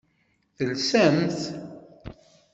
Telsamt?